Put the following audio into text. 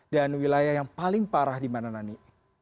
dan wilayah yang paling parah di mana nani